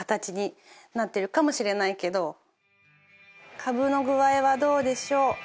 カブの具合はどうでしょう？